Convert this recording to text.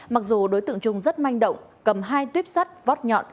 mặc dù đối tượng trung rất manh động cầm hai tuyếp sắt vót nhọn